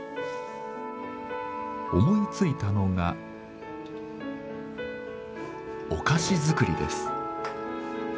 思いついたのがお菓子作りです。